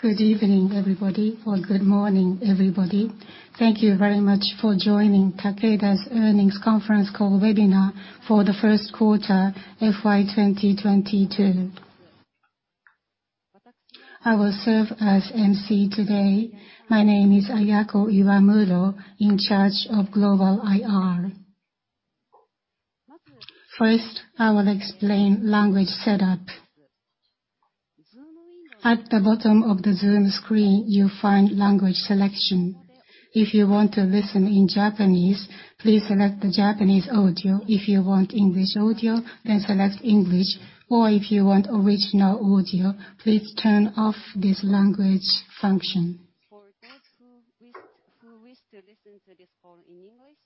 Good evening, everybody, or good morning, everybody. Thank you very much for joining Takeda's earnings conference call webinar for the first quarter FY 2022. I will serve as MC today. My name is Ayako Iwamuro, in charge of global IR. First, I will explain language setup. At the bottom of the Zoom screen, you'll find Language Selection. If you want to listen in Japanese, please select the Japanese audio. If you want English audio, then select English, or if you want original audio, please turn off this language function. For those who wish to listen to this call in English,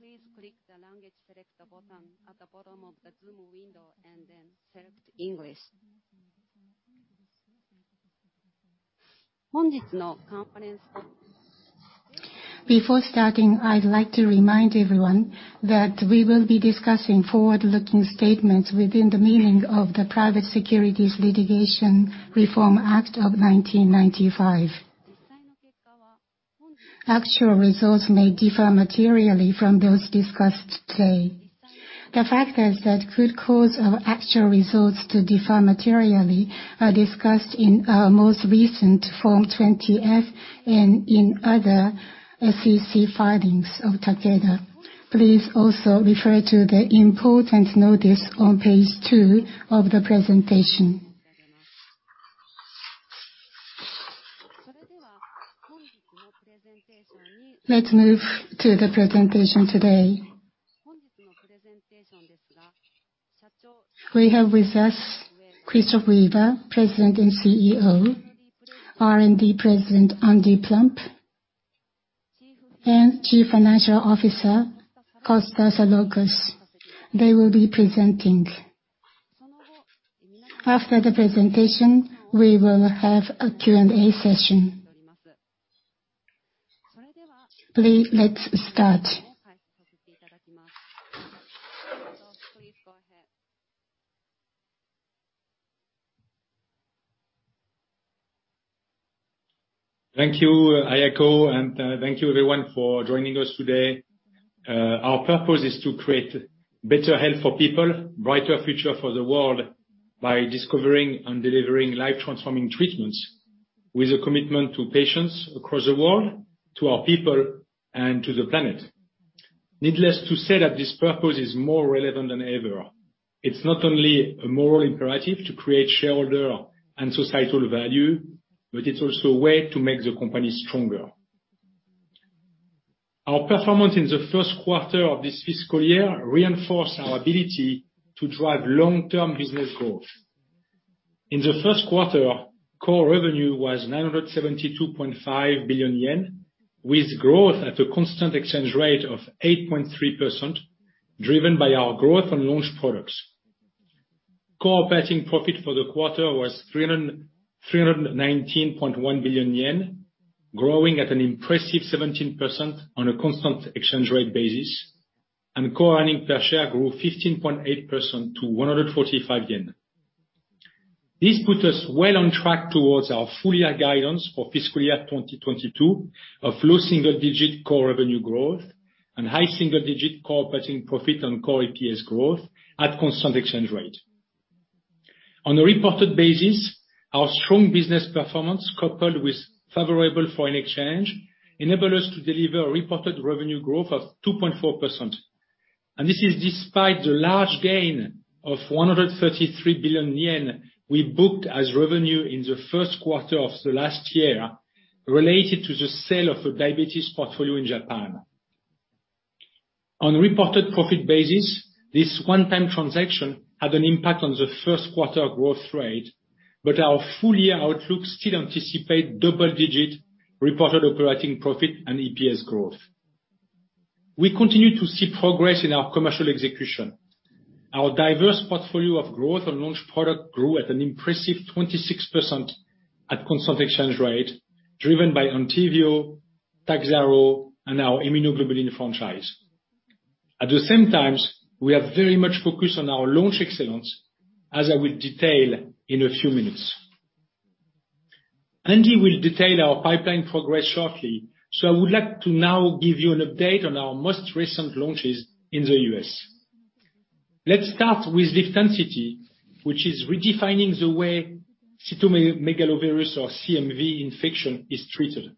please click the Language Selector button at the bottom of the Zoom window, and then select English. Before starting, I'd like to remind everyone that we will be discussing forward-looking statements within the meaning of the Private Securities Litigation Reform Act of 1995. Actual results may differ materially from those discussed today. The factors that could cause our actual results to differ materially are discussed in our most recent Form 20-F and in other SEC filings of Takeda. Please also refer to the important notice on page two of the presentation. Let's move to the presentation today. We have with us Christophe Weber, President and CEO, R&D President, Andy Plump, and Chief Financial Officer, Costa Saroukos. They will be presenting. After the presentation, we will have a Q&A session. Please, let's start. Thank you, Ayako, and thank you everyone for joining us today. Our purpose is to create better health for people, brighter future for the world by discovering and delivering life-transforming treatments with a commitment to patients across the world, to our people, and to the planet. Needless to say that this purpose is more relevant than ever. It's not only a moral imperative to create shareholder and societal value, but it's also a way to make the company stronger. Our performance in the first quarter of this fiscal year reinforced our ability to drive long-term business growth. In the first quarter, core revenue was 972.5 billion yen, with growth at a constant exchange rate of 8.3%, driven by our growth and launch products. Core operating profit for the quarter was 319.1 billion yen, growing at an impressive 17% on a constant exchange rate basis. Core earnings per share grew 15.8% to 145 yen. This put us well on track towards our full year guidance for fiscal year 2022 of low single digit core revenue growth and high single digit core operating profit and core EPS growth at constant exchange rate. On a reported basis, our strong business performance, coupled with favorable foreign exchange, enabled us to deliver a reported revenue growth of 2.4%. This is despite the large gain of 133 billion yen we booked as revenue in the first quarter of the last year related to the sale of a diabetes portfolio in Japan. On a reported profit basis, this one-time transaction had an impact on the first quarter growth rate, but our full year outlook still anticipate double digit reported operating profit and EPS growth. We continue to see progress in our commercial execution. Our diverse portfolio of growth on launched product grew at an impressive 26% at constant exchange rate, driven by ENTYVIO, TAKHZYRO, and our immunoglobulin franchise. At the same time, we are very much focused on our launch excellence, as I will detail in a few minutes. Andy will detail our pipeline progress shortly, so I would like to now give you an update on our most recent launches in the U.S.. Let's start with LIVTENCITY, which is redefining the way cytomegalovirus, or CMV, infection is treated.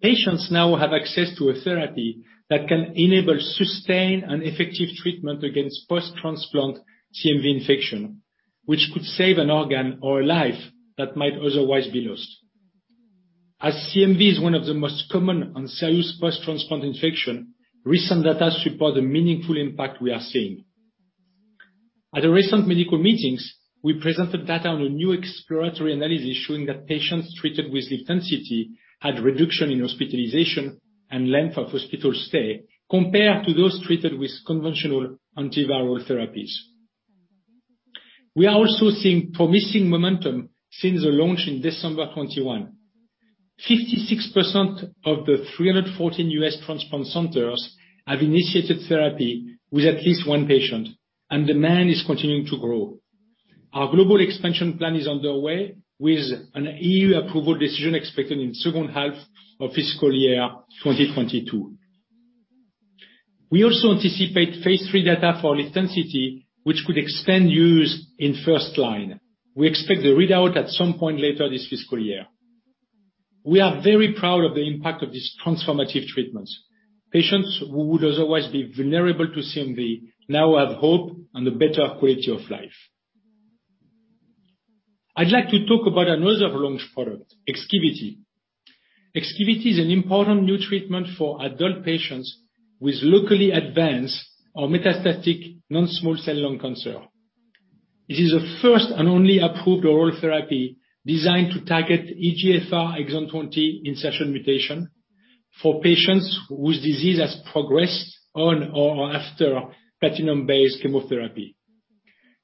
Patients now have access to a therapy that can enable sustained and effective treatment against post-transplant CMV infection, which could save an organ or a life that might otherwise be lost. As CMV is one of the most common and serious post-transplant infection, recent data support the meaningful impact we are seeing. At a recent medical meetings, we presented data on a new exploratory analysis showing that patients treated with LIVTENCITY had reduction in hospitalization and length of hospital stay compared to those treated with conventional antiviral therapies. We are also seeing promising momentum since the launch in December 2021. 56% of the 314 U.S. transplant centers have initiated therapy with at least one patient, and demand is continuing to grow. Our global expansion plan is underway with an EU approval decision expected in second half of fiscal year 2022. We also anticipate phase III data for LIVTENCITY, which could extend use in first line. We expect the readout at some point later this fiscal year. We are very proud of the impact of these transformative treatments. Patients who would otherwise be vulnerable to CMV now have hope and a better quality of life. I'd like to talk about another launch product, EXKIVITY. EXKIVITY is an important new treatment for adult patients with locally advanced or metastatic non-small cell lung cancer. This is the first and only approved oral therapy designed to target EGFR exon 20 insertion mutation for patients whose disease has progressed on or after platinum-based chemotherapy.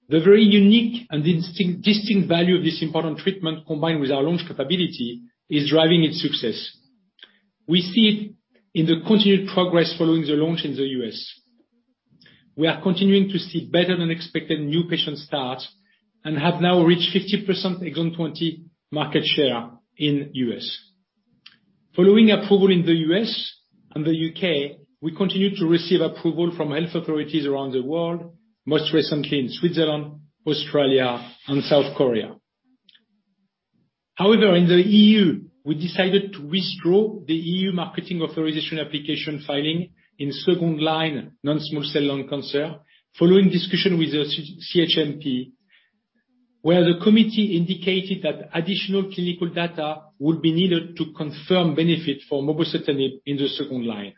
The very unique and distinct value of this important treatment, combined with our launch capability, is driving its success. We see it in the continued progress following the launch in the U.S.. We are continuing to see better than expected new patient start and have now reached 50% exon 20 market share in U.S. Following approval in the U.S. and the U.K., we continue to receive approval from health authorities around the world, most recently in Switzerland, Australia, and South Korea. However, in the EU we decided to withdraw the EU marketing authorization application filing in second line non-small cell lung cancer following discussion with the CHMP, where the committee indicated that additional clinical data would be needed to confirm benefit for mobocertinib in the second line.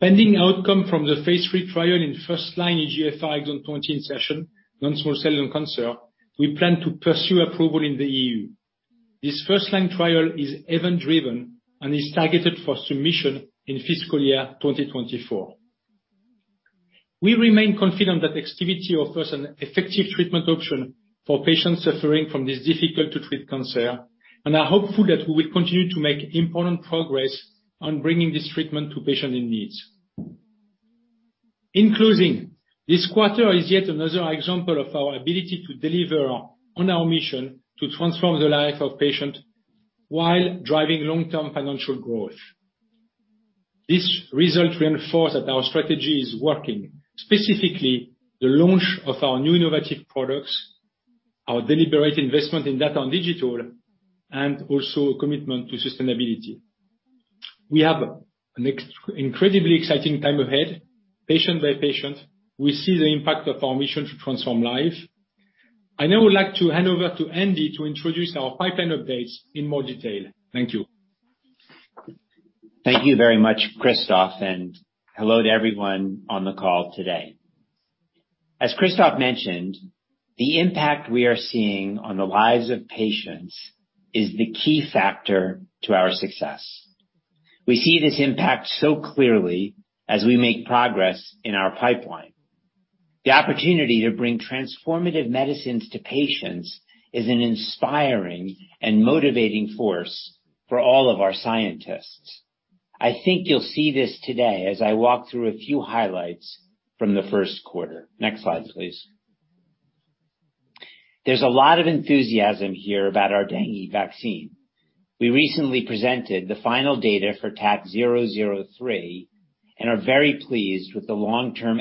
Pending outcome from the phase III trial in first line EGFR exon 20 insertion non-small cell lung cancer, we plan to pursue approval in the EU This first line trial is event-driven and is targeted for submission in fiscal year 2024. We remain confident that EXKIVITY offers an effective treatment option for patients suffering from this difficult-to-treat cancer and are hopeful that we will continue to make important progress on bringing this treatment to patients in need. In closing, this quarter is yet another example of our ability to deliver on our mission to transform the life of patient while driving long-term financial growth. This result reinforce that our strategy is working, specifically the launch of our new innovative products, our deliberate investment in data and digital, and also commitment to sustainability. We have an incredibly exciting time ahead, patient by patient. We see the impact of our mission to transform life. I now would like to hand over to Andy to introduce our pipeline updates in more detail. Thank you. Thank you very much, Christophe, and hello to everyone on the call today. As Christophe mentioned, the impact we are seeing on the lives of patients is the key factor to our success. We see this impact so clearly as we make progress in our pipeline. The opportunity to bring transformative medicines to patients is an inspiring and motivating force for all of our scientists. I think you'll see this today as I walk through a few highlights from the first quarter. Next slide, please. There's a lot of enthusiasm here about our dengue vaccine. We recently presented the final data for TAK-003 and are very pleased with the long-term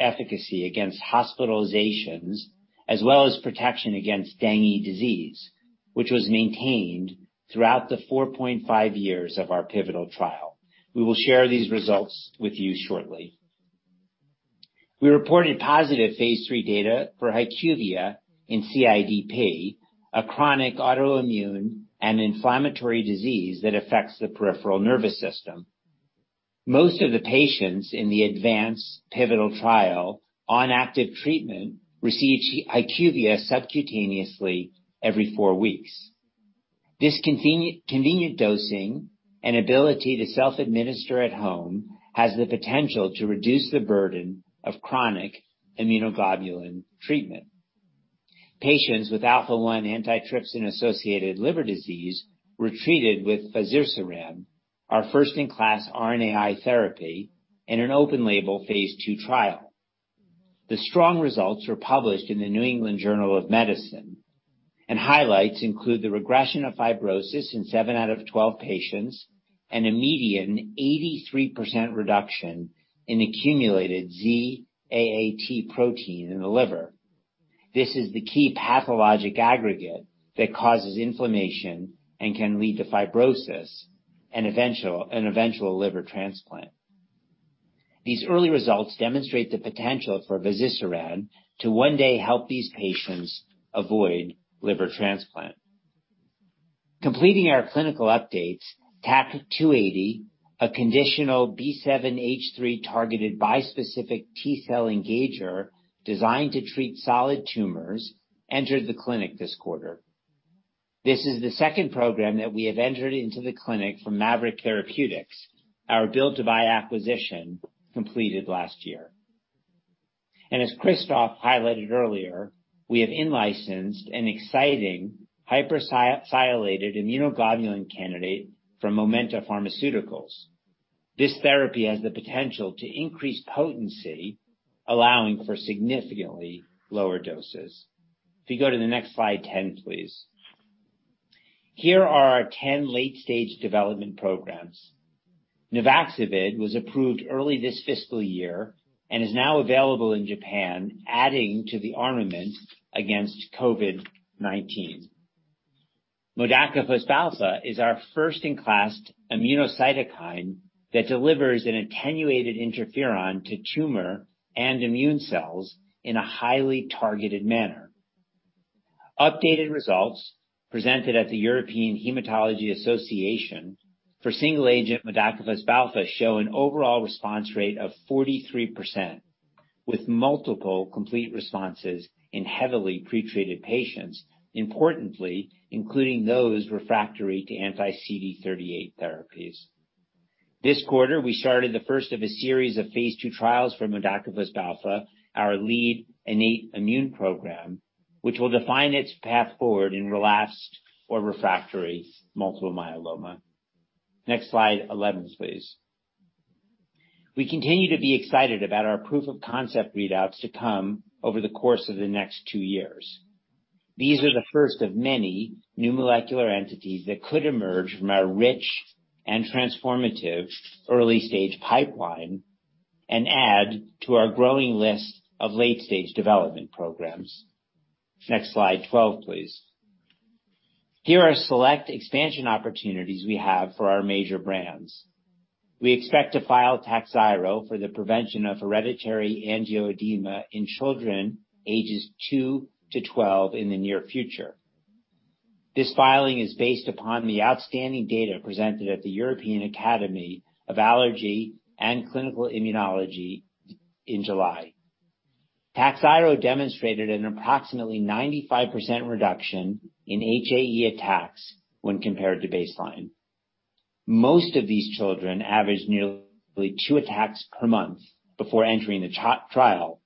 efficacy against hospitalizations as well as protection against dengue disease, which was maintained throughout the 4.5 years of our pivotal trial. We will share these results with you shortly. We reported positive phase III data for HYQVIA in CIDP, a chronic autoimmune and inflammatory disease that affects the peripheral nervous system. Most of the patients in the ADVANCE pivotal trial on active treatment received HYQVIA subcutaneously every four weeks. This convenient dosing and ability to self-administer at home has the potential to reduce the burden of chronic immunoglobulin treatment. Patients with alpha-1 antitrypsin-associated liver disease were treated with fazirsiran, our first-in-class RNAi therapy in an open-label phase II trial. The strong results were published in The New England Journal of Medicine, and highlights include the regression of fibrosis in 7 out of 12 patients and a median 83% reduction in accumulated Z-AAT protein in the liver. This is the key pathologic aggregate that causes inflammation and can lead to fibrosis and eventual liver transplant. These early results demonstrate the potential for fazirsiran to one day help these patients avoid liver transplant. Completing our clinical updates, TAK-280, a conditional B7H3 targeted bispecific T-cell engager designed to treat solid tumors, entered the clinic this quarter. This is the second program that we have entered into the clinic from Maverick Therapeutics, our build-to-buy acquisition completed last year. As Christophe highlighted earlier, we have in-licensed an exciting hyper-sialylated immunoglobulin candidate from Momenta Pharmaceuticals. This therapy has the potential to increase potency, allowing for significantly lower doses. If you go to the next slide 10, please. Here are our 10 late-stage development programs. Nuvaxovid was approved early this fiscal year and is now available in Japan, adding to the armament against COVID-19. Modakafusp alfa is our first-in-class immunocytokine that delivers an attenuated interferon to tumor and immune cells in a highly targeted manner. Updated results presented at the European Hematology Association for single-agent modakafusp alfa show an overall response rate of 43%, with multiple complete responses in heavily pretreated patients, importantly, including those refractory to anti-CD38 therapies. This quarter, we started the first of a series of phase II trials for modakafusp alfa, our lead innate immune program, which will define its path forward in relapsed or refractory multiple myeloma. Next slide, 11, please. We continue to be excited about our proof of concept readouts to come over the course of the next two years. These are the first of many new molecular entities that could emerge from our rich and transformative early-stage pipeline and add to our growing list of late-stage development programs. Next slide, 12, please. Here are select expansion opportunities we have for our major brands. We expect to file TAKHZYRO for the prevention of hereditary angioedema in children ages 2-12 in the near future. This filing is based upon the outstanding data presented at the European Academy of Allergy and Clinical Immunology in July. TAKHZYRO demonstrated an approximately 95% reduction in HAE attacks when compared to baseline. Most of these children averaged nearly two attacks per month before entering the trial,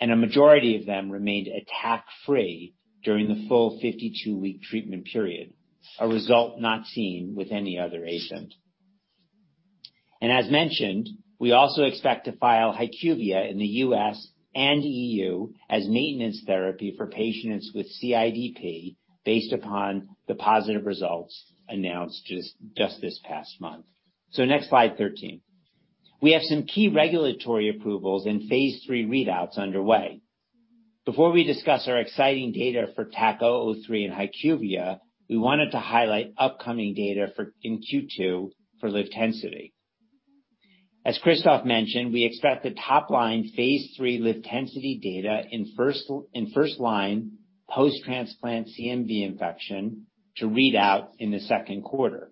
and a majority of them remained attack-free during the full 52-week treatment period, a result not seen with any other agent. As mentioned, we also expect to file HYQVIA in the U.S. and EU as maintenance therapy for patients with CIDP based upon the positive results announced just this past month. Next slide 13. We have some key regulatory approvals and phase III readouts underway. Before we discuss our exciting data for TAK-003 and HYQVIA, we wanted to highlight upcoming data in Q2 for LIVTENCITY. As Christophe mentioned, we expect the top line phase III LIVTENCITY data in first line post-transplant CMV infection to read out in the second quarter.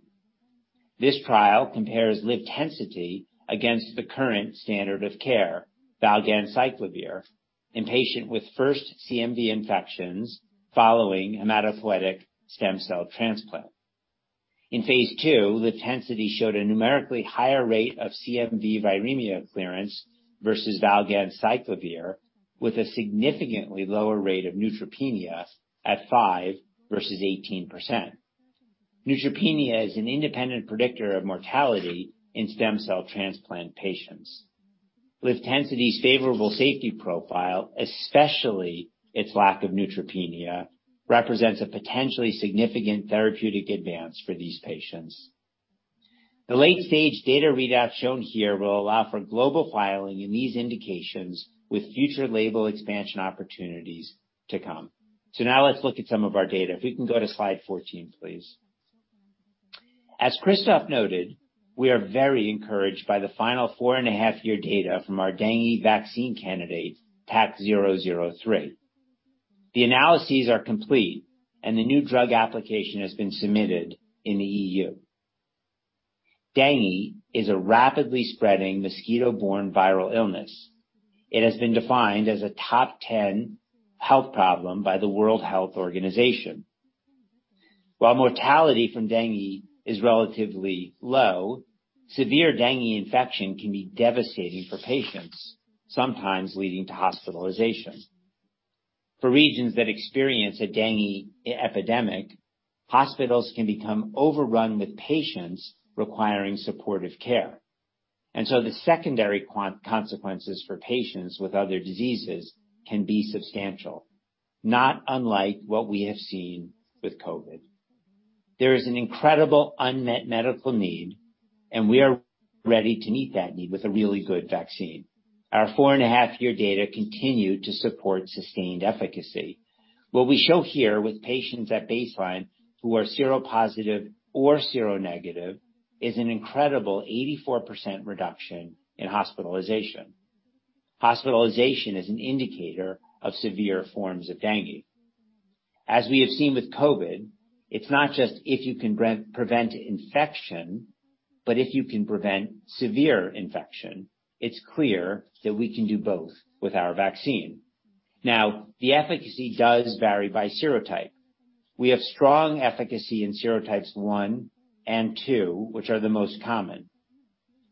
This trial compares LIVTENCITY against the current standard of care, valganciclovir, in patient with first CMV infections following a hematopoietic stem cell transplant. In phase II, LIVTENCITY showed a numerically higher rate of CMV viremia clearance versus valganciclovir, with a significantly lower rate of neutropenia at 5% versus 18%. Neutropenia is an independent predictor of mortality in stem cell transplant patients. LIVTENCITY's favorable safety profile, especially its lack of neutropenia, represents a potentially significant therapeutic advance for these patients. The late-stage data readout shown here will allow for global filing in these indications, with future label expansion opportunities to come. Now let's look at some of our data. If we can go to slide 14, please. As Christophe noted, we are very encouraged by the final 4.5 Year data from our dengue vaccine candidate, TAK-003. The analyses are complete, and the new drug application has been submitted in the EU. Dengue is a rapidly spreading mosquito-borne viral illness. It has been defined as a top 10 health problem by the World Health Organization. While mortality from dengue is relatively low, severe dengue infection can be devastating for patients, sometimes leading to hospitalization. For regions that experience a dengue epidemic, hospitals can become overrun with patients requiring supportive care. The secondary consequences for patients with other diseases can be substantial, not unlike what we have seen with COVID. There is an incredible unmet medical need, and we are ready to meet that need with a really good vaccine. Our 4.5-year data continue to support sustained efficacy. What we show here with patients at baseline who are seropositive or seronegative is an incredible 84% reduction in hospitalization. Hospitalization is an indicator of severe forms of dengue. As we have seen with COVID, it's not just if you can pre-prevent infection, but if you can prevent severe infection, it's clear that we can do both with our vaccine. Now, the efficacy does vary by serotype. We have strong efficacy in serotypes 1 and 2, which are the most common.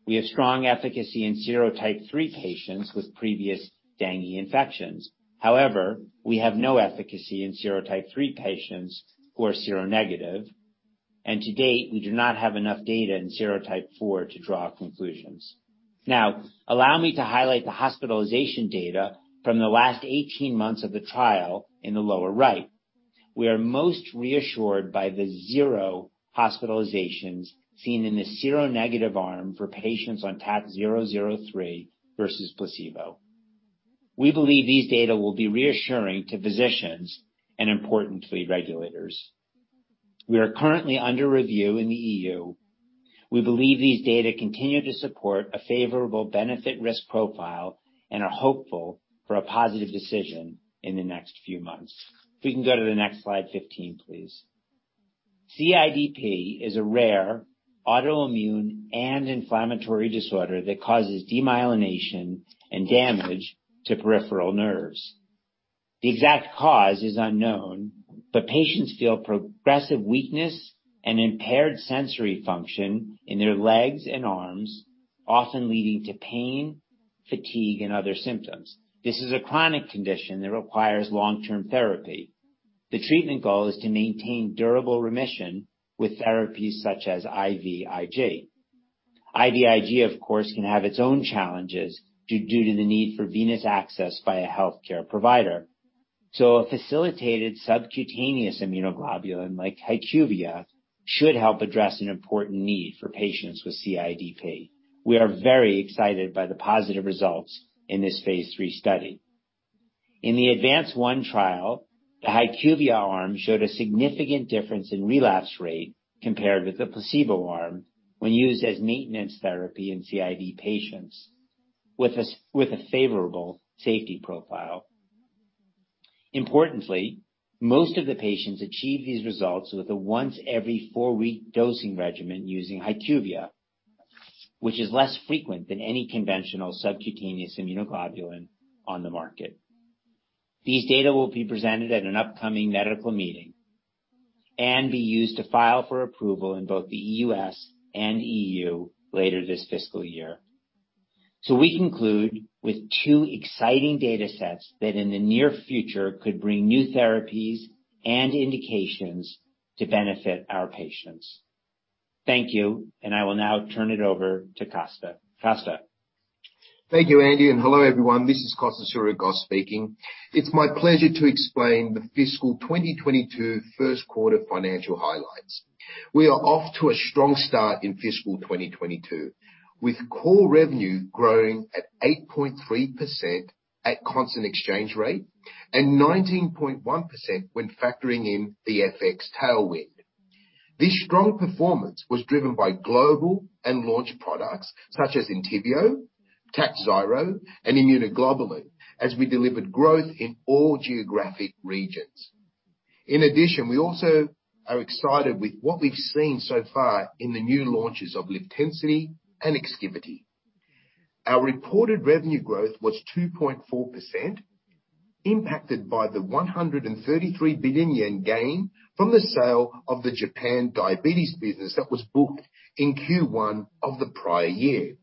We have strong efficacy in serotype 3 patients with previous dengue infections. However, we have no efficacy in serotype 3 patients who are seronegative, and to date, we do not have enough data in serotype 4 to draw conclusions. Now, allow me to highlight the hospitalization data from the last 18 months of the trial in the lower right. We are most reassured by the zero hospitalizations seen in the seronegative arm for patients on TAK-003 versus placebo. We believe these data will be reassuring to physicians and importantly regulators. We are currently under review in the EU. We believe these data continue to support a favorable benefit risk profile and are hopeful for a positive decision in the next few months. If we can go to the next slide 15, please. CIDP is a rare autoimmune and inflammatory disorder that causes demyelination and damage to peripheral nerves. The exact cause is unknown, but patients feel progressive weakness and impaired sensory function in their legs and arms, often leading to pain, fatigue, and other symptoms. This is a chronic condition that requires long-term therapy. The treatment goal is to maintain durable remission with therapies such as IVIG. IVIG, of course, can have its own challenges due to the need for venous access by a healthcare provider. A facilitated subcutaneous immunoglobulin like HYQVIA should help address an important need for patients with CIDP. We are very excited by the positive results in this phase III study. In the ADVANCE-1 trial, the HYQVIA arm showed a significant difference in relapse rate compared with the placebo arm when used as maintenance therapy in CIDP patients with a favorable safety profile. Importantly, most of the patients achieved these results with a once every four-week dosing regimen using HYQVIA, which is less frequent than any conventional subcutaneous immunoglobulin on the market. These data will be presented at an upcoming medical meeting and be used to file for approval in both the U.S. and EU later this fiscal year. We conclude with two exciting data sets that in the near future could bring new therapies and indications to benefit our patients. Thank you, and I will now turn it over to Costa. Costa. Thank you, Andy, and hello, everyone. This is Costa Saroukos speaking. It's my pleasure to explain the fiscal 2022 first quarter financial highlights. We are off to a strong start in fiscal 2022, with core revenue growing at 8.3% at constant exchange rate and 19.1% when factoring in the FX tailwind. This strong performance was driven by global and launch products such as ENTYVIO, TAKHZYRO, and immunoglobulin as we delivered growth in all geographic regions. In addition, we also are excited with what we've seen so far in the new launches of LIVTENCITY and EXKIVITY. Our reported revenue growth was 2.4%, impacted by the 133 billion yen gain from the sale of the Japan diabetes business that was booked in Q1 of the prior year.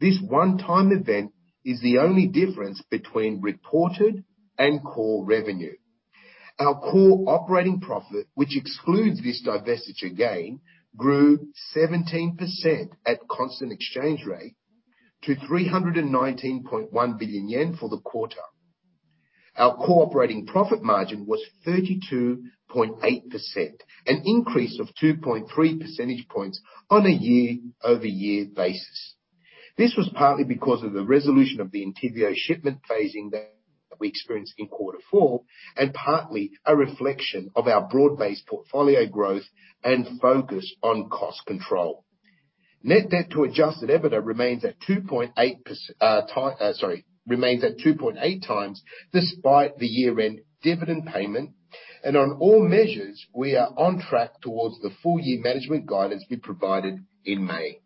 This one-time event is the only difference between reported and core revenue. Our core operating profit, which excludes this divestiture gain, grew 17% at constant exchange rate to 319.1 billion yen for the quarter. Our core operating profit margin was 32.8%, an increase of 2.3 percentage points on a year-over-year basis. This was partly because of the resolution of the ENTYVIO shipment phasing that we experienced in quarter four and partly a reflection of our broad-based portfolio growth and focus on cost control. Net debt to adjusted EBITDA remains at 2.8x despite the year-end dividend payment. On all measures, we are on track towards the full year management guidance we provided in May.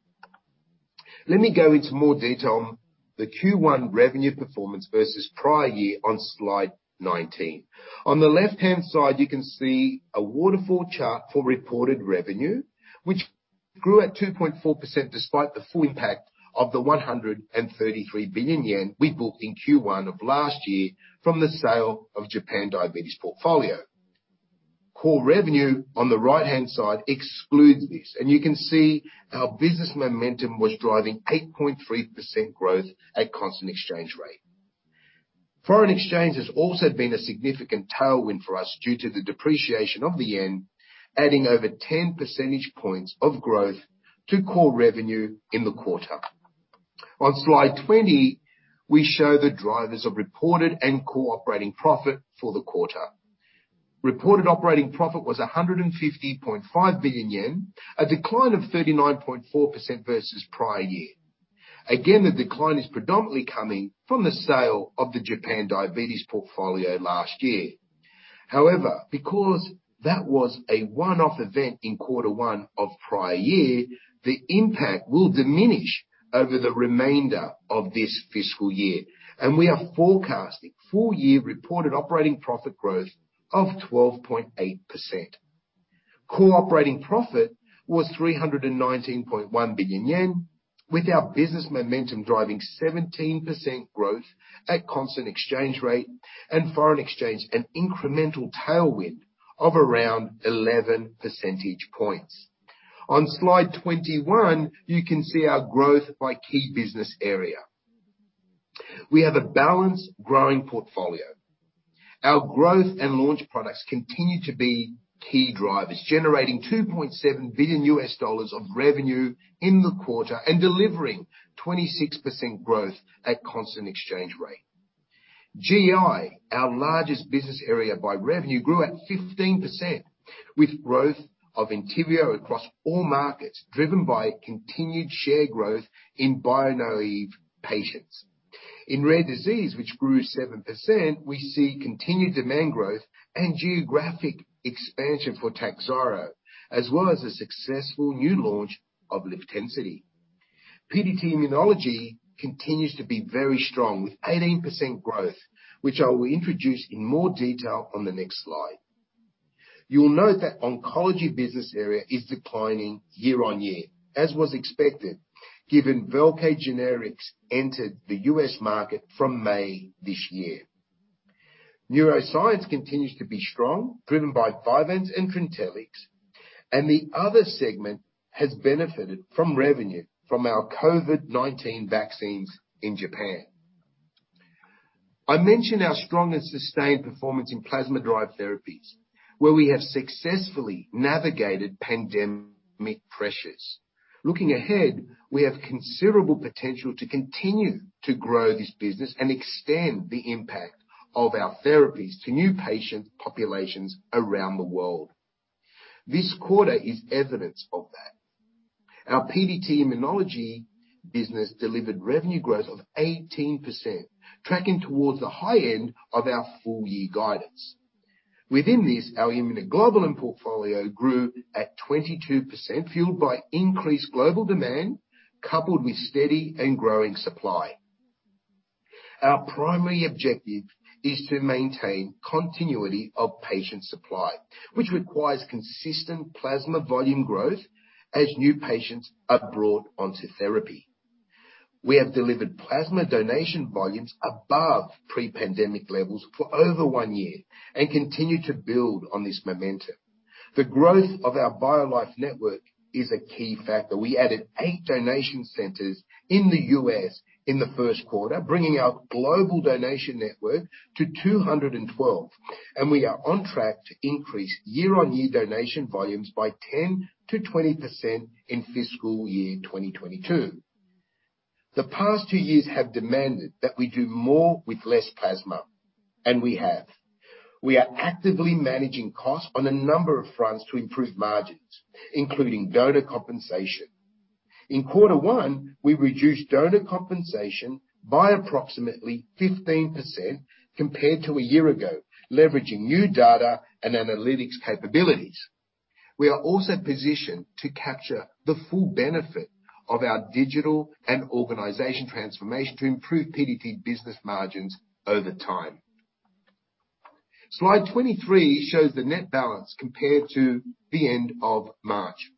Let me go into more detail on the Q1 revenue performance versus prior year on slide 19. On the left-hand side, you can see a waterfall chart for reported revenue, which grew at 2.4% despite the full impact of the 133 billion yen we booked in Q1 of last year from the sale of Japan diabetes portfolio. Core revenue on the right-hand side excludes this, and you can see our business momentum was driving 8.3% growth at constant exchange rate. Foreign exchange has also been a significant tailwind for us due to the depreciation of the yen, adding over 10 percentage points of growth to core revenue in the quarter. On slide 20, we show the drivers of reported and core operating profit for the quarter. Reported operating profit was 150.5 billion yen, a decline of 39.4% versus prior year. Again, the decline is predominantly coming from the sale of the Japan diabetes portfolio last year. However, because that was a one-off event in quarter one of prior year, the impact will diminish over the remainder of this fiscal year. We are forecasting full-year reported operating profit growth of 12.8%. Core operating profit was 319.1 billion yen, with our business momentum driving 17% growth at constant exchange rate and foreign exchange, an incremental tailwind of around 11 percentage points. On slide 21, you can see our growth by key business area. We have a balanced growing portfolio. Our growth and launch products continue to be key drivers, generating $2.7 billion of revenue in the quarter and delivering 26% growth at constant exchange rate. GI, our largest business area by revenue, grew at 15%, with growth of ENTYVIO across all markets, driven by continued share growth in bio naive patients. In rare disease, which grew 7%, we see continued demand growth and geographic expansion for TAKHZYRO, as well as a successful new launch of LIVTENCITY. PDT Immunology continues to be very strong, with 18% growth, which I will introduce in more detail on the next slide. You'll note that oncology business area is declining year-on-year, as was expected, given VELCADE generics entered the U.S. market from May this year. Neuroscience continues to be strong, driven by Vyvanse and Trintellix, and the other segment has benefited from revenue from our COVID-19 vaccines in Japan. I mentioned our strong and sustained performance in plasma-derived therapies, where we have successfully navigated pandemic pressures. Looking ahead, we have considerable potential to continue to grow this business and extend the impact of our therapies to new patient populations around the world. This quarter is evidence of that. Our PDT Immunology business delivered revenue growth of 18%, tracking towards the high end of our full year guidance. Within this, our Immunoglobulin portfolio grew at 22%, fueled by increased global demand, coupled with steady and growing supply. Our primary objective is to maintain continuity of patient supply, which requires consistent plasma volume growth as new patients are brought onto therapy. We have delivered plasma donation volumes above pre-pandemic levels for over one year and continue to build on this momentum. The growth of our BioLife network is a key factor. We added eight donation centers in the U.S. in the first quarter, bringing our global donation network to 212, and we are on track to increase year-on-year donation volumes by 10%-20% in fiscal year 2022. The past two years have demanded that we do more with less plasma, and we have. We are actively managing costs on a number of fronts to improve margins, including donor compensation. In quarter one, we reduced donor compensation by approximately 15% compared to a year ago, leveraging new data and analytics capabilities. We are also positioned to capture the full benefit of our digital and organization transformation to improve PDT business margins over time. Slide 23 shows the net balance compared to the end of March.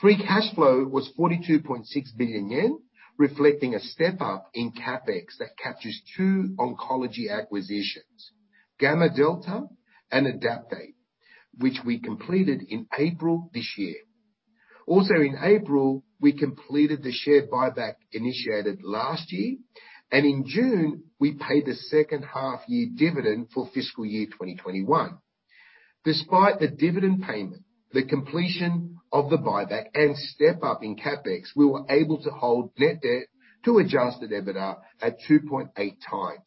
Free cash flow was 42.6 billion yen, reflecting a step up in CapEx that captures two oncology acquisitions, GammaDelta and Adaptate, which we completed in April this year. Also in April, we completed the share buyback initiated last year, and in June, we paid the second half-year dividend for fiscal year 2021. Despite the dividend payment, the completion of the buyback and step up in CapEx, we were able to hold net debt to adjusted EBITDA at 2.8x.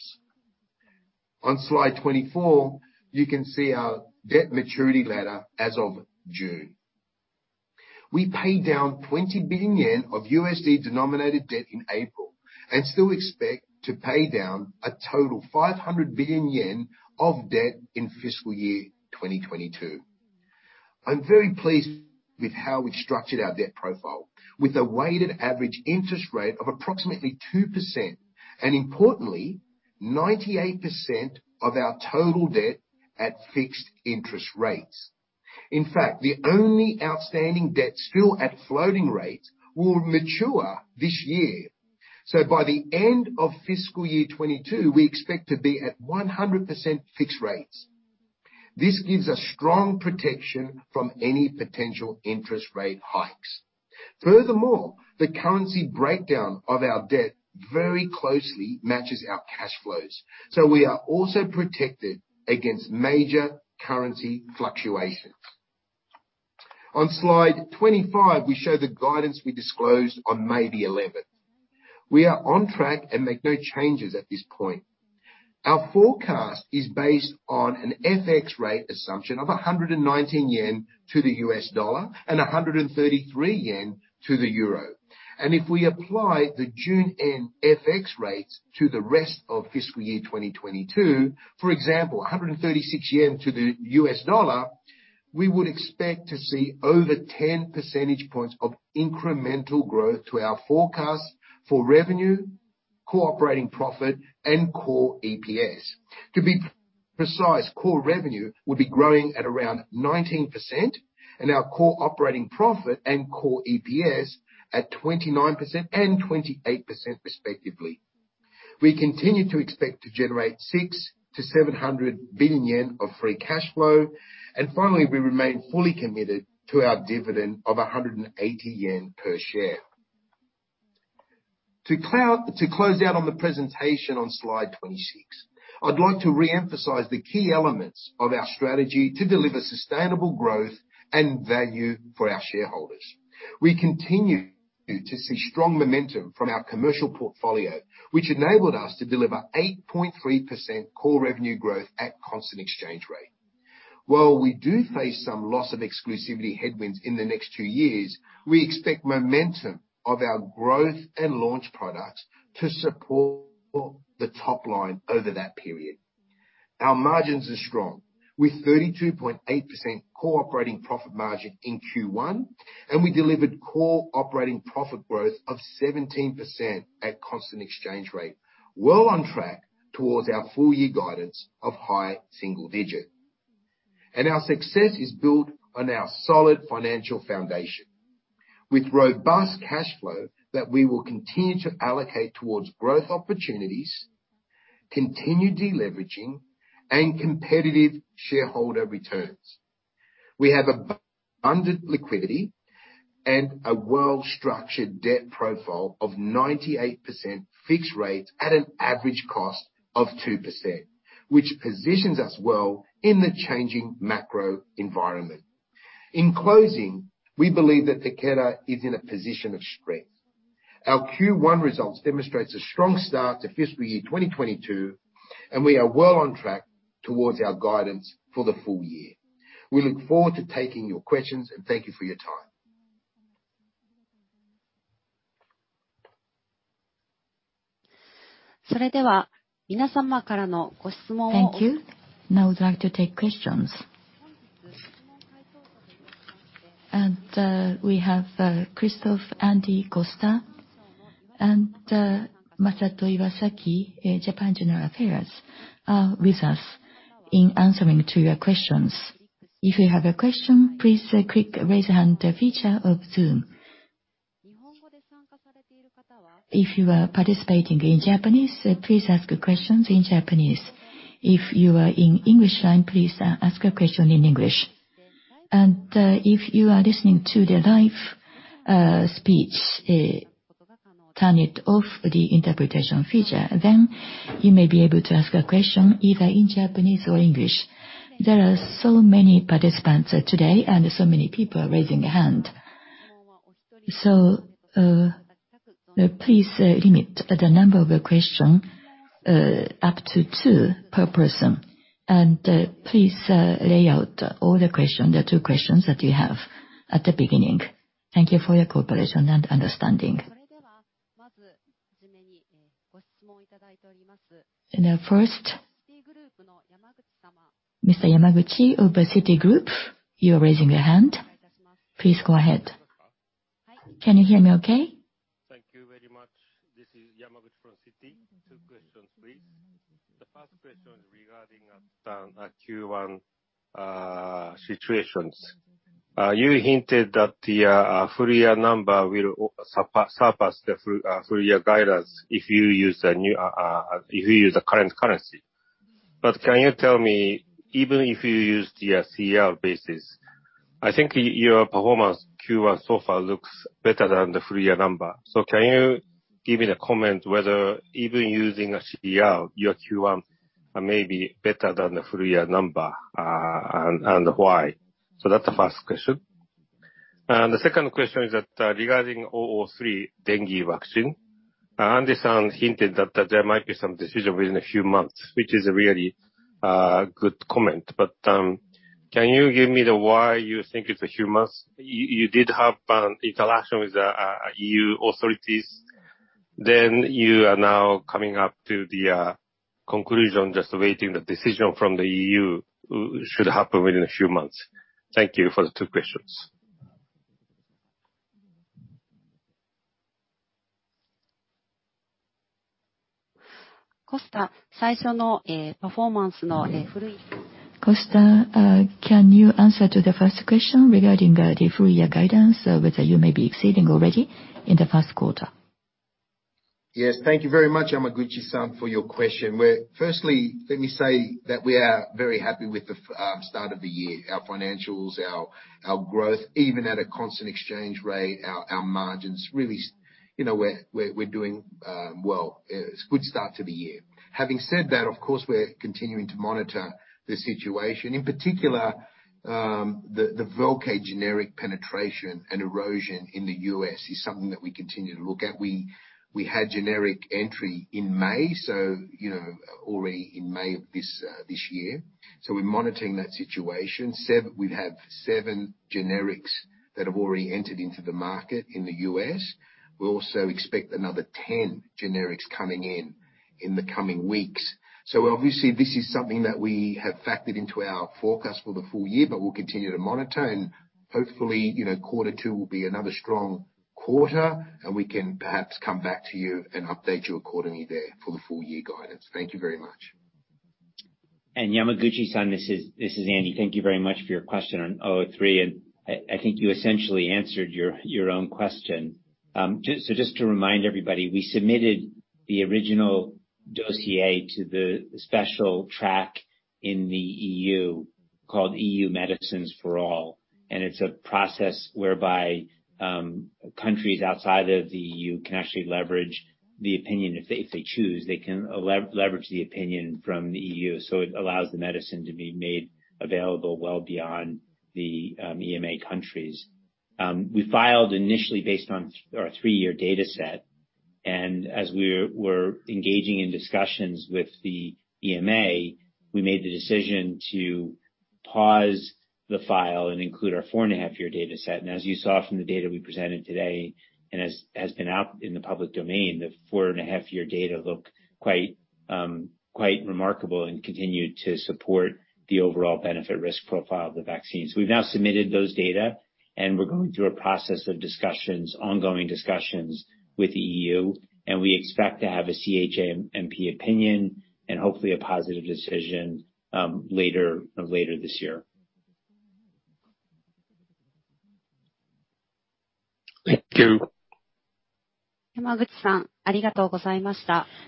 On slide 24, you can see our debt maturity ladder as of June. We paid down 20 billion yen of USD-denominated debt in April and still expect to pay down a total 500 billion yen of debt in fiscal year 2022. I'm very pleased with how we structured our debt profile, with a weighted average interest rate of approximately 2%, and importantly, 98% of our total debt at fixed interest rates. In fact, the only outstanding debt still at floating rates will mature this year. By the end of fiscal year 2022, we expect to be at 100% fixed rates. This gives us strong protection from any potential interest rate hikes. Furthermore, the currency breakdown of our debt very closely matches our cash flows, so we are also protected against major currency fluctuations. On slide 25, we show the guidance we disclosed on May 11. We are on track and make no changes at this point. Our forecast is based on an FX rate assumption of 119 yen to the US dollar and 133 yen to the euro. If we apply the June-end FX rates to the rest of fiscal year 2022, for example, 136 yen to the US dollar, we would expect to see over 10 percentage points of incremental growth to our forecast for revenue, core operating profit, and core EPS. To be precise, core revenue will be growing at around 19% and our core operating profit and core EPS at 29% and 28% respectively. We continue to expect to generate 600 billion-700 billion yen of free cash flow. Finally, we remain fully committed to our dividend of 180 yen per share. To close out on the presentation on slide 26, I'd like to re-emphasize the key elements of our strategy to deliver sustainable growth and value for our shareholders. We continue to see strong momentum from our commercial portfolio, which enabled us to deliver 8.3% core revenue growth at constant exchange rate. While we do face some loss of exclusivity headwinds in the next two years, we expect momentum of our growth and launch products to support the top line over that period. Our margins are strong, with 32.8% core operating profit margin in Q1, and we delivered core operating profit growth of 17% at constant exchange rate, well on track towards our full year guidance of high single digit. Our success is built on our solid financial foundation, with robust cash flow that we will continue to allocate towards growth opportunities, continue deleveraging, and competitive shareholder returns. We have abundant liquidity and a well-structured debt profile of 98% fixed rate at an average cost of 2%, which positions us well in the changing macro environment. In closing, we believe that Takeda is in a position of strength. Our Q1 results demonstrates a strong start to fiscal year 2022, and we are well on track towards our guidance for the full year. We look forward to taking your questions, and thank you for your time. Thank you. Now we'd like to take questions. We have Christophe, Andy, Costa, and Masato Iwasaki, Japan General Affairs, with us in answering to your questions. If you have a question, please click Raise a Hand feature of Zoom. If you are participating in Japanese, please ask your questions in Japanese. If you are in English line, please ask your question in English. If you are listening to the live speech, turn off the interpretation feature, then you may be able to ask a question either in Japanese or English. There are so many participants today and so many people raising a hand. Please limit the number of your question up to two per person. Please lay out all the question, the two questions that you have at the beginning. Thank you for your cooperation and understanding. First, Mr. Yamaguchi over Citigroup, you are raising your hand. Please go ahead. Can you hear me okay? Thank you very much. This is Yamaguchi from Citi. Two questions, please. The first question is regarding Q1 situations. You hinted that the full year number will surpass the full year guidance if you use a current currency. Can you tell me, even if you use the CER basis, I think your performance Q1 so far looks better than the full year number. Can you give me the comment whether even using a CER, your Q1 may be better than the full year number, and why? That's the first question. The second question is that, regarding 003 dengue vaccine, Andy-san hinted that there might be some decision within a few months, which is a really good comment. Can you give me the why you think it's a few months? You did have interaction with the EU authorities, then you are now coming up to the conclusion, just awaiting the decision from the EU, should happen within a few months. Thank you for the two questions. Costa, can you answer to the first question regarding the full year guidance, whether you may be exceeding already in the first quarter? Yes. Thank you very much, Yamaguchi-san, for your question. Firstly, let me say that we are very happy with the start of the year. Our financials, our growth, even at a constant exchange rate, our margins, really you know, we're doing well. It's good start to the year. Having said that, of course, we're continuing to monitor the situation. In particular, the VELCADE generic penetration and erosion in the U.S. is something that we continue to look at. We had generic entry in May, so you know, already in May of this year. So we're monitoring that situation. We have seven generics that have already entered into the market in the U.S. We also expect another 10 generics coming in the coming weeks. Obviously, this is something that we have factored into our forecast for the full year, but we'll continue to monitor and hopefully, you know, quarter two will be another strong quarter, and we can perhaps come back to you and update you accordingly there for the full-year guidance. Thank you very much. Yamaguchi-san, this is Andy. Thank you very much for your question on 003, and I think you essentially answered your own question. Just to remind everybody, we submitted the original dossier to the special track in the EU called EU-Medicines for all. It's a process whereby countries outside of the EU can actually leverage the opinion if they choose. They can leverage the opinion from the EU, so it allows the medicine to be made available well beyond the EMA countries. We filed initially based on our three-year dataset, and as we're engaging in discussions with the EMA, we made the decision to pause the file and include our 4.5-year dataset. As you saw from the data we presented today, and as has been out in the public domain, the 4.5-year data look quite remarkable and continued to support the overall benefit risk profile of the vaccine. We've now submitted those data, and we're going through a process of discussions, ongoing discussions with the EU, and we expect to have a CHMP opinion and hopefully a positive decision later this year. Thank you.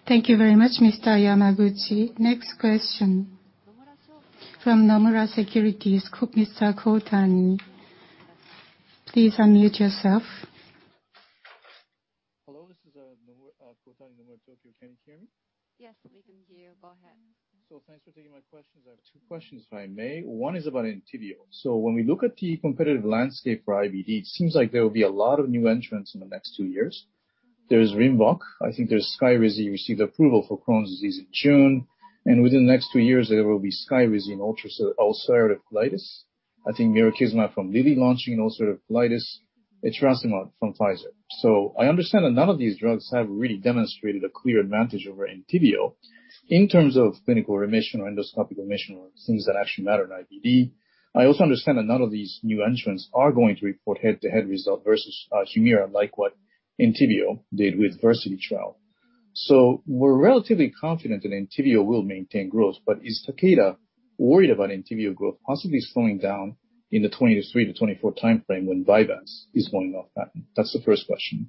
Thank you very much, Mr. Yamaguchi. Next question from Nomura Securities, Mr. Koutani. Please unmute yourself. Hello, this is Koutani, Nomura Securities. Can you hear me? Yes, we can hear you. Go ahead. Thanks for taking my questions. I have two questions, if I may. One is about ENTYVIO. When we look at the competitive landscape for IBD, it seems like there will be a lot of new entrants in the next two years. There's RINVOQ. I think there's SKYRIZI, which received approval for Crohn's disease in June. Within the next two years, there will be SKYRIZI in ulcerative colitis. I think mirikizumab from Lilly launching in ulcerative colitis, etrasimod from Pfizer. I understand that none of these drugs have really demonstrated a clear advantage over ENTYVIO in terms of clinical remission or endoscopic remission or things that actually matter in IBD. I also understand that none of these new entrants are going to report head-to-head results versus HUMIRA, like what ENTYVIO did with VARSITY trial. We're relatively confident that ENTYVIO will maintain growth. Is Takeda worried about ENTYVIO growth possibly slowing down in the 2023-2024 timeframe when Vyvanse is going off patent? That's the first question.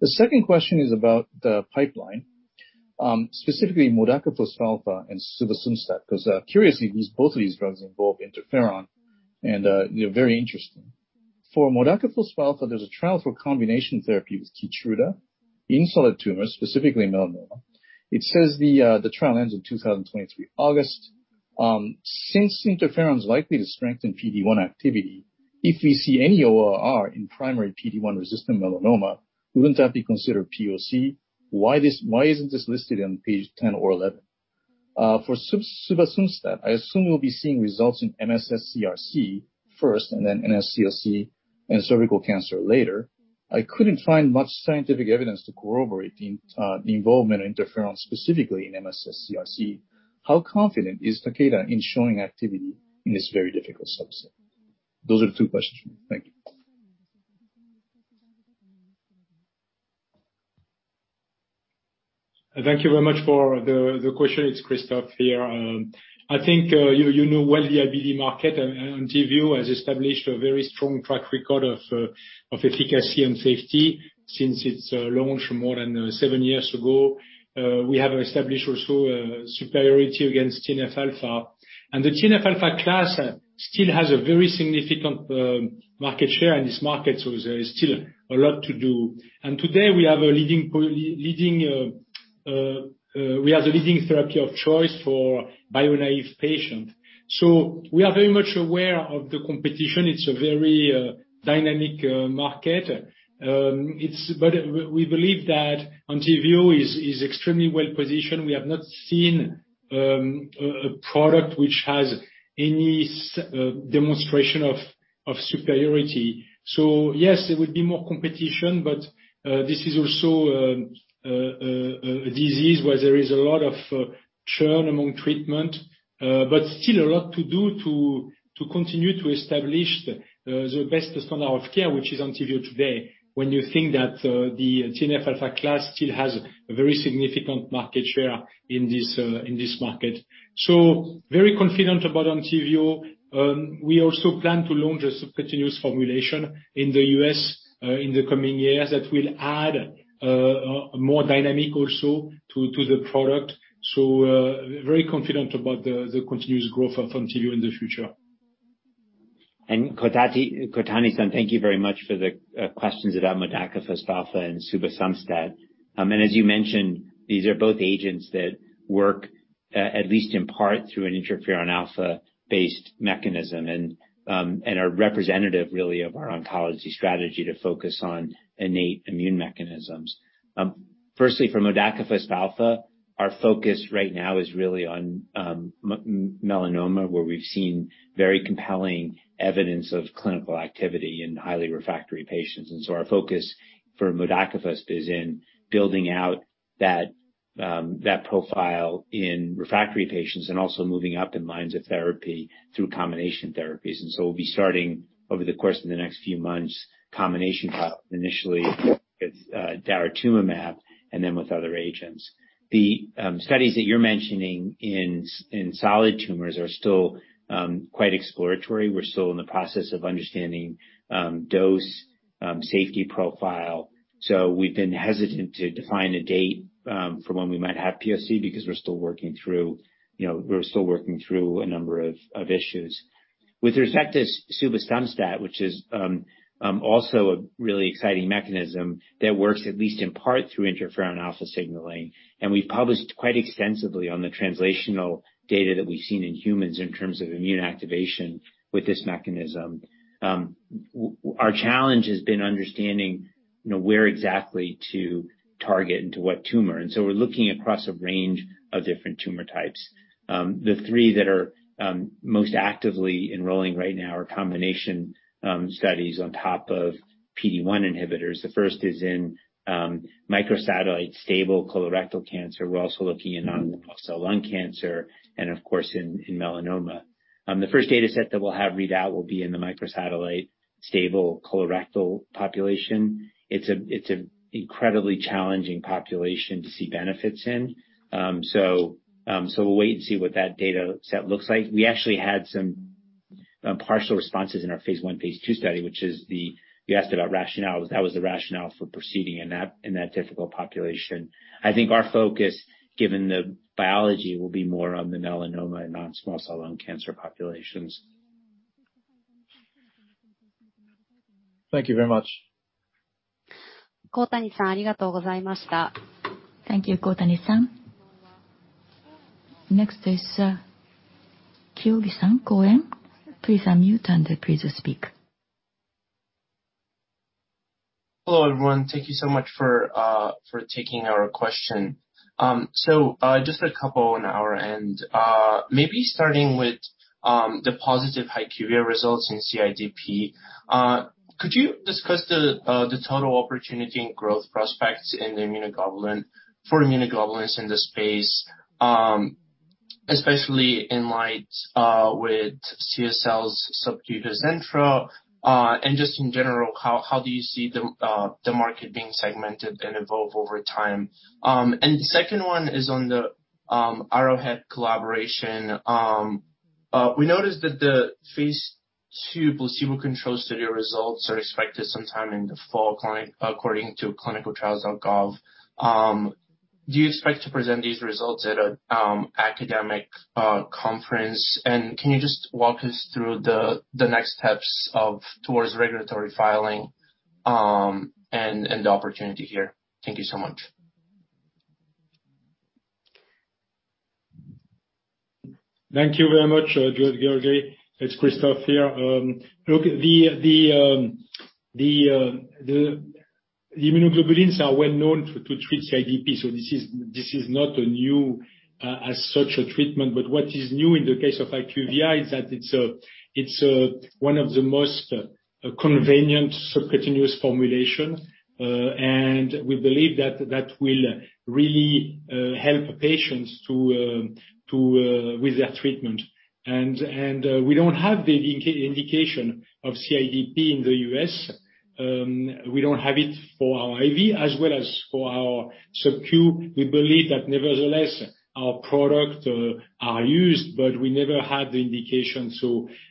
The second question is about the pipeline, specifically modakafusp alfa and subasumstat, because curiously, both of these drugs involve interferon and very interesting. For modakafusp alfa, there's a trial for combination therapy with KEYTRUDA in solid tumors, specifically melanoma. It says the trial ends in August 2023. Since interferon is likely to strengthen PD-1 activity, if we see any ORR in primary PD-1-resistant melanoma, wouldn't that be considered POC? Why isn't this listed on page 10 or 11? For subasumstat, I assume we'll be seeing results in MSS CRC first and then NSCLC and cervical cancer later. I couldn't find much scientific evidence to corroborate the involvement of interferon specifically in MSS CRC. How confident is Takeda in showing activity in this very difficult subset? Those are the two questions for me. Thank you. Thank you very much for the question. It's Christophe here. I think you know well the IBD market and ENTYVIO has established a very strong track record of efficacy and safety since its launch more than seven years ago. We have established also a superiority against TNF-alpha. The TNF-alpha class still has a very significant market share in this market, so there is still a lot to do. Today we are the leading therapy of choice for bio-naive patients. We are very much aware of the competition. It's a very dynamic market. We believe that ENTYVIO is extremely well-positioned. We have not seen a product which has any demonstration of superiority. Yes, there will be more competition, but this is also a disease where there is a lot of churn among treatment. Still a lot to do to continue to establish the best standard of care, which is ENTYVIO today, when you think that the TNF-alpha class still has a very significant market share in this market. Very confident about ENTYVIO. We also plan to launch a subcutaneous formulation in the U.S. in the coming years that will add more dynamic also to the product. Very confident about the continuous growth of ENTYVIO in the future. Koutani-san, thank you very much for the questions about modakafusp alfa and subasumstat. As you mentioned, these are both agents that work at least in part through an interferon alpha-based mechanism and are representative really of our oncology strategy to focus on innate immune mechanisms. Firstly, for modakafusp alfa, our focus right now is really on melanoma, where we've seen very compelling evidence of clinical activity in highly refractory patients. Our focus for modakafusp is in building out that profile in refractory patients and also moving up in lines of therapy through combination therapies. We'll be starting over the course of the next few months combination trials, initially with daratumumab and then with other agents. The studies that you're mentioning in solid tumors are still quite exploratory. We're still in the process of understanding dose, safety profile. We've been hesitant to define a date for when we might have PSC, because we're still working through, you know, a number of issues. With respect to subasumstat, which is also a really exciting mechanism that works at least in part through interferon alpha signaling, and we've published quite extensively on the translational data that we've seen in humans in terms of immune activation with this mechanism. Our challenge has been understanding, you know, where exactly to target into what tumor, and so we're looking across a range of different tumor types. The three that are most actively enrolling right now are combination studies on top of PD-1 inhibitors. The first is in microsatellite-stable colorectal cancer. We're also looking in non-small cell lung cancer and of course, in melanoma. The first dataset that we'll have read out will be in the microsatellite-stable colorectal population. It's incredibly challenging population to see benefits in. We'll wait and see what that dataset looks like. We actually had some partial responses in our phase I, phase II study, which is the. You asked about rationale. That was the rationale for proceeding in that difficult population. I think our focus, given the biology, will be more on the melanoma and non-small cell lung cancer populations. Thank you very much. Thank you, Koutani-san. Next is Kyogi-san, Cowen. Please unmute and please speak. Hello, everyone. Thank you so much for taking our question. Just a couple on our end. Maybe starting with the positive HYQVIA results in CIDP. Could you discuss the total opportunity and growth prospects in the immunoglobulin for immunoglobulins in this space, especially in light of CSL's subcu Hizentra? Just in general, how do you see the market being segmented and evolve over time? The second one is on the Arrowhead collaboration. We noticed that the phase II placebo-controlled study results are expected sometime in the fall, according to clinicaltrials.gov. Do you expect to present these results at an academic conference? Can you just walk us through the next steps towards regulatory filing and the opportunity here? Thank you so much. Thank you very much, Kyogi. It's Christophe here. Look, the immunoglobulins are well known to treat CIDP, so this is not a new as such a treatment. What is new in the case of HYQVIA is that it's one of the most convenient subcutaneous formulation. We believe that will really help patients with their treatment. We don't have the indication of CIDP in the U.S. We don't have it for our IV as well as for our subcu. We believe that nevertheless, our product are used, but we never had the indication.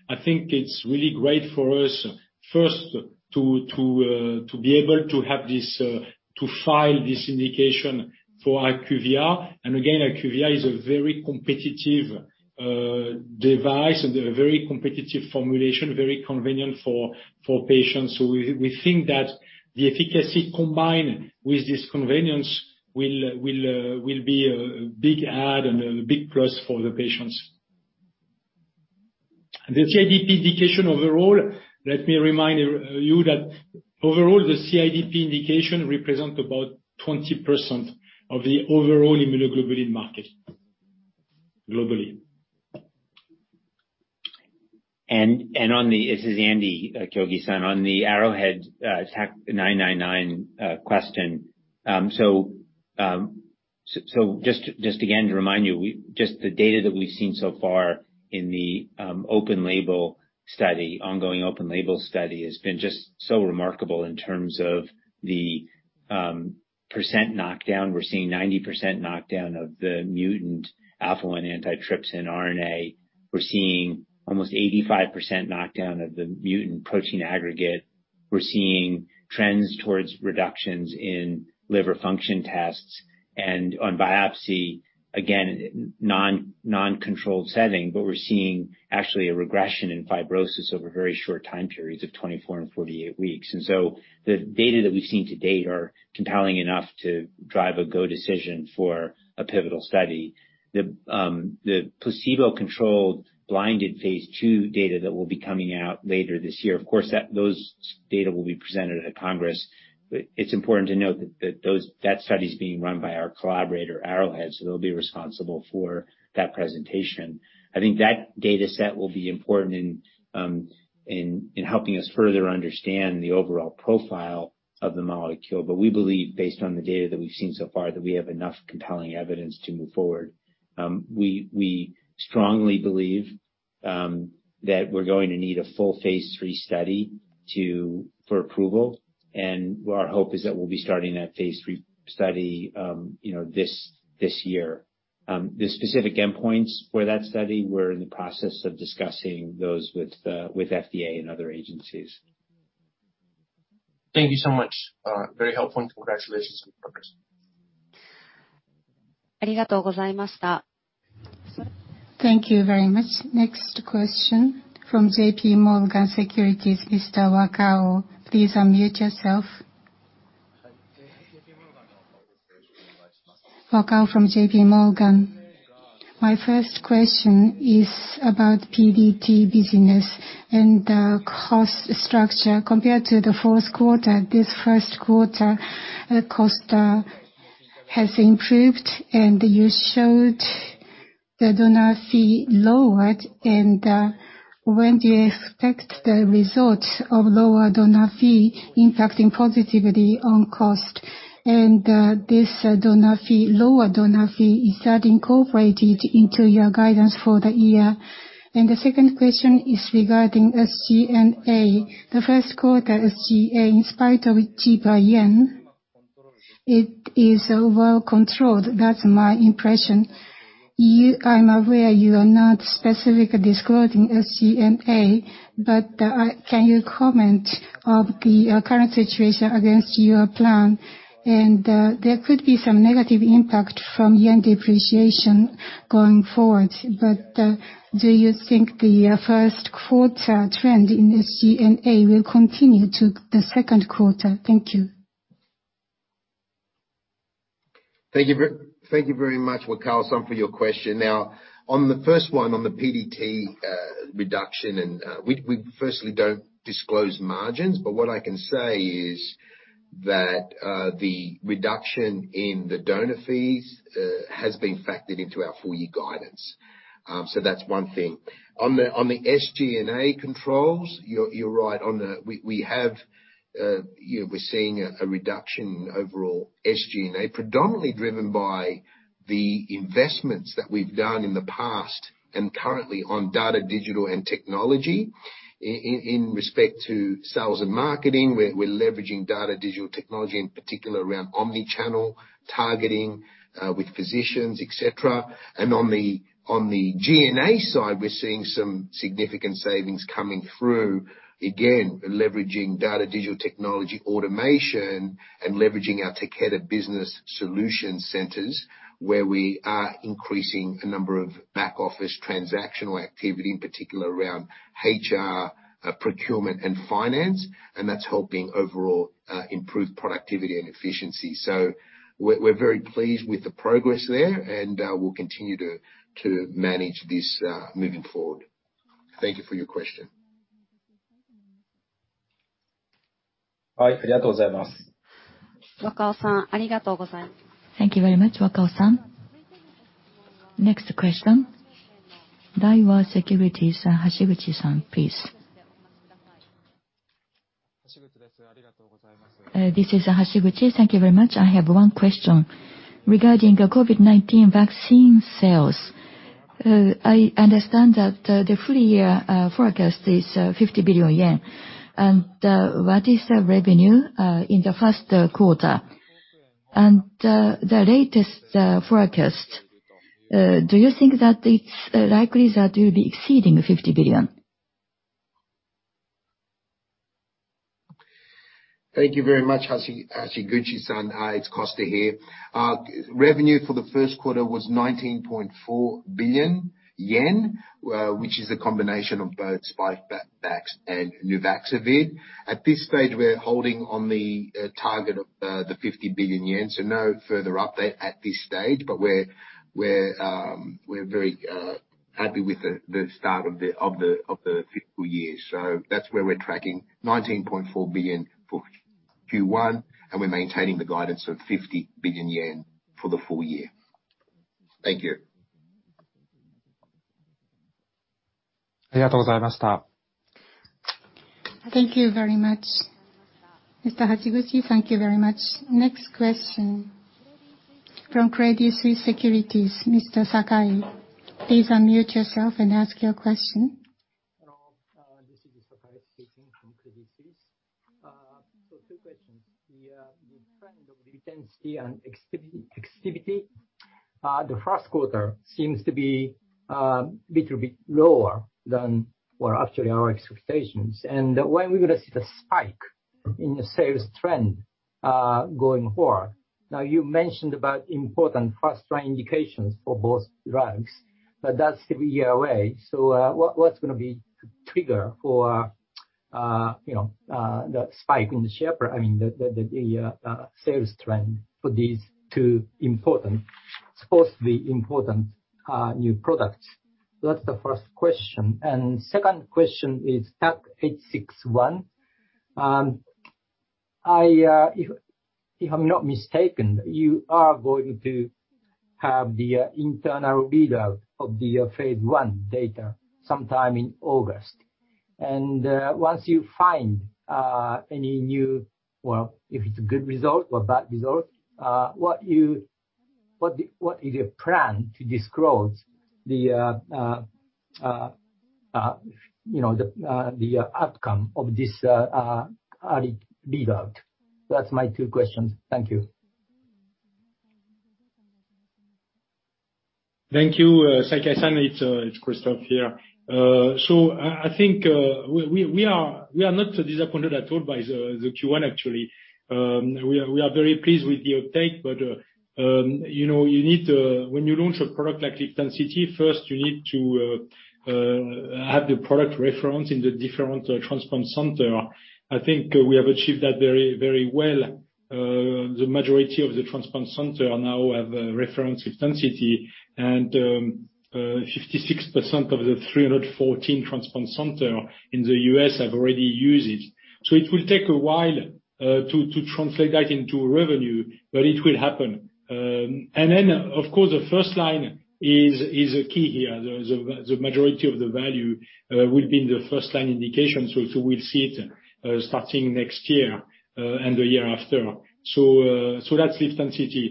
I think it's really great for us first to be able to have this to file this indication for HYQVIA. Again, HYQVIA is a very competitive device and a very competitive formulation, very convenient for patients. We think that the efficacy combined with this convenience will be a big add and a big plus for the patients. The CIDP indication overall, let me remind you that overall, the CIDP indication represent about 20% of the overall immunoglobulin market globally. This is Andy, Kyogi-san. On the Arrowhead TAK-999 question. Just again to remind you, just the data that we've seen so far in the open label study, ongoing open label study has been just so remarkable in terms of the percent knockdown. We're seeing 90% knockdown of the mutant alpha-1 antitrypsin RNA. We're seeing almost 85% knockdown of the mutant protein aggregate. We're seeing trends towards reductions in liver function tests. On biopsy, again, non-controlled setting, but we're seeing actually a regression in fibrosis over very short time periods of 24 and 48 weeks. The data that we've seen to date are compelling enough to drive a go decision for a pivotal study. The placebo-controlled blinded phase II data that will be coming out later this year, of course, those data will be presented at congress. It's important to note that that study is being run by our collaborator, Arrowhead, so they'll be responsible for that presentation. I think that data set will be important in helping us further understand the overall profile of the molecule. We believe based on the data that we've seen so far that we have enough compelling evidence to move forward. We strongly believe. That we're going to need a full phase III study for approval. Our hope is that we'll be starting that phase III study, you know, this year. The specific endpoints for that study, we're in the process of discussing those with FDA and other agencies. Thank you so much. Very helpful. Congratulations on your progress. Thank you very much. Next question from JPMorgan Securities, Mr. Wakao. Please unmute yourself. Wakao from JPMorgan. My first question is about PDT business and the cost structure. Compared to the fourth quarter, this first quarter, cost has improved, and you showed the donor fee lowered. When do you expect the results of lower donor fee impacting positively on cost? This donor fee is that incorporated into your guidance for the year? The second question is regarding SG&A. The first quarter SG&A, in spite of cheaper yen, it is well controlled. That's my impression. I'm aware you are not specifically disclosing SG&A, but can you comment on the current situation against your plan? There could be some negative impact from yen depreciation going forward, but do you think the first quarter trend in SG&A will continue to the second quarter? Thank you. Thank you very much, Wakao-san, for your question. Now, on the first one, on the PDT reduction and we firstly don't disclose margins, but what I can say is that the reduction in the donor fees has been factored into our full year guidance. So that's one thing. On the SG&A controls, you're right. We have, you know, we're seeing a reduction in overall SG&A, predominantly driven by the investments that we've done in the past and currently on data, digital, and technology. In respect to sales and marketing, we're leveraging data digital technology, in particular around omni-channel targeting with physicians, et cetera. On the G&A side, we're seeing some significant savings coming through, again, leveraging data digital technology automation and leveraging our Takeda Business Solutions centers, where we are increasing a number of back office transactional activity, in particular around HR, procurement and finance, and that's helping overall improve productivity and efficiency. We're very pleased with the progress there and we'll continue to manage this moving forward. Thank you for your question. Thank you very much, Wakao-san. Next question. Daiwa Securities, Hashiguchi-san, please. This is Hashiguchi. Thank you very much. I have one question. Regarding the COVID-19 vaccine sales, I understand that the full year forecast is 50 billion yen. What is the revenue in the first quarter? The latest forecast, do you think that it's likely that you'll be exceeding 50 billion? Thank you very much, Hashiguchi-san. It's Costa here. Revenue for the first quarter was 19.4 billion yen, which is a combination of both Spikevax and Nuvaxovid. At this stage, we're holding on the target of the 50 billion yen, so no further update at this stage. We're very happy with the start of the fiscal year. That's where we're tracking, 19.4 billion for Q1, and we're maintaining the guidance of 50 billion yen for the full year. Thank you. Thank you very much. Mr. Hashiguchi, thank you very much. Next question from Credit Suisse Securities, Mr. Sakai. Please unmute yourself and ask your question. Hello, this is Sakai speaking from Credit Suisse. Two questions. The trend of LIVTENCITY and EXKIVITY, the first quarter seems to be little bit lower than, or actually our expectations. When we're gonna see the spike in the sales trend, going forward. Now, you mentioned about important first line indications for both drugs, but that's three year away. What's gonna be the trigger for, you know, the spike in the share. I mean, the sales trend for these two important, supposedly important, new products? That's the first question. Second question is TAK-861. If I'm not mistaken, you are going to have the internal readout of the phase I data sometime in August. Once you find any new. Well, if it's a good result or bad result, what is your plan to disclose the, you know, the outcome of this early readout? That's my two questions. Thank you. Thank you, Sakai-san. It's Christophe here. I think we are not disappointed at all by the Q1 actually. We are very pleased with the uptake, but you know, when you launch a product like LIVTENCITY, first you need to have the product reference in the different transplant center. I think we have achieved that very, very well. The majority of the transplant center now have referenced LIVTENCITY. 56% of the 314 transplant center in the U.S. have already used it. It will take a while to translate that into revenue, but it will happen. Then of course, the first line is key here. The majority of the value will be in the first-line indication, so we'll see it starting next year and the year after. That's LIVTENCITY.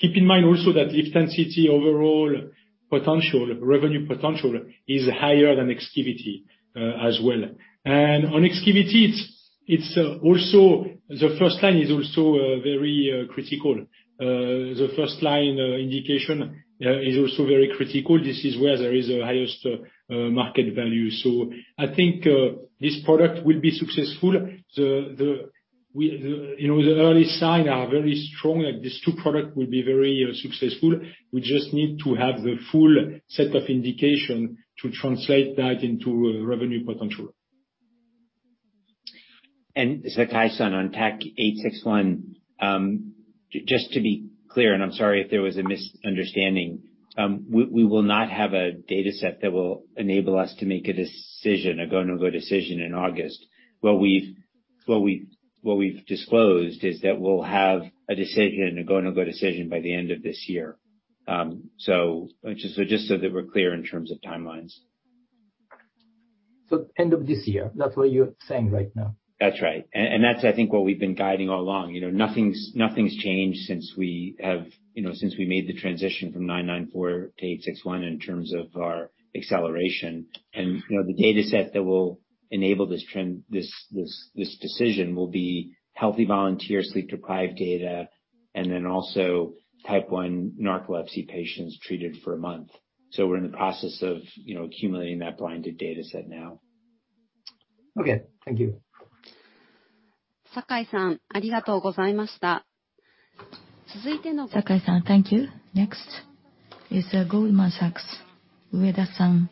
Keep in mind also that LIVTENCITY overall potential, revenue potential is higher than EXKIVITY as well. And on EXKIVITY, it's also the first line is also very critical. The first-line indication is also very critical. This is where there is the highest market value. I think this product will be successful. You know, the early signs are very strong that these two products will be very successful. We just need to have the full set of indications to translate that into revenue potential. Sakai-san, on TAK-861, just to be clear, and I'm sorry if there was a misunderstanding. We will not have a data set that will enable us to make a decision, a go/no-go decision in August. What we've disclosed is that we'll have a decision, a go/no-go decision by the end of this year. So just so that we're clear in terms of timelines. End of this year, that's what you're saying right now? That's right. That's I think what we've been guiding all along. You know, nothing's changed since we made the transition from 994 to 861 in terms of our acceleration. You know, the data set that will enable this trend, this decision will be healthy volunteers sleep deprived data, and then also type 1 narcolepsy patients treated for a month. We're in the process of, you know, accumulating that blinded data set now. Okay. Thank you. Sakai-san, thank you. Next is Goldman Sachs, Ueda-san,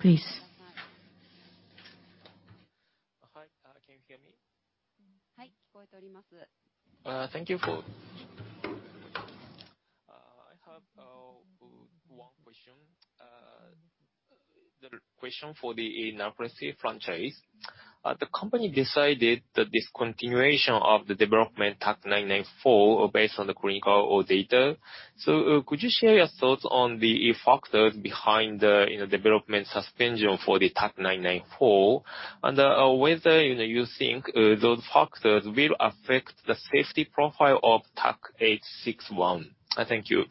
please. Hi, can you hear me? Hi. I have one question. The question for the narcolepsy franchise. The company decided the discontinuation of the development TAK-994 based on the clinical data. Could you share your thoughts on the factors behind the, you know, development suspension for the TAK-994? And whether, you know, you think those factors will affect the safety profile of TAK-861. Thank you.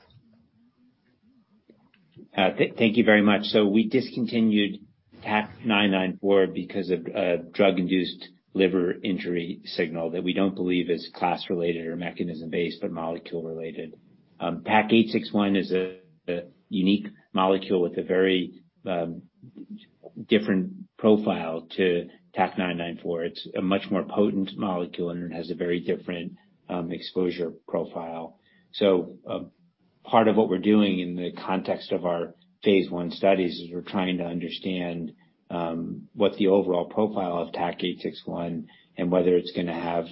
Thank you very much. We discontinued TAK-994 because of a drug-induced liver injury signal that we don't believe is class related or mechanism based, but molecule related. TAK-861 is a unique molecule with a very different profile to TAK-994. It's a much more potent molecule, and it has a very different exposure profile. Part of what we're doing in the context of our phase one studies is we're trying to understand what the overall profile of TAK-861 and whether it's gonna have,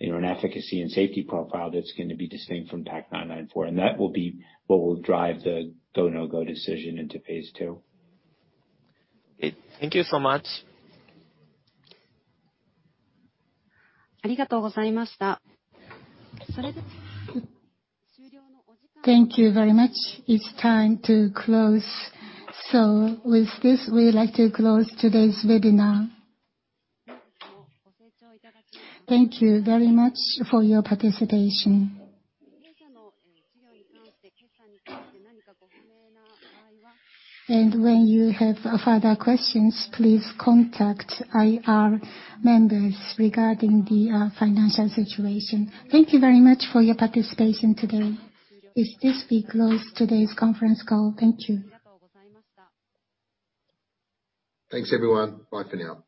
you know, an efficacy and safety profile that's gonna be distinct from TAK-994. That will be what will drive the go/no-go decision into phase II. Thank you so much. Thank you very much. It's time to close. With this, we'd like to close today's webinar. Thank you very much for your participation. When you have further questions, please contact IR members regarding the financial situation. Thank you very much for your participation today. With this, we close today's conference call. Thank you. Thanks, everyone. Bye for now.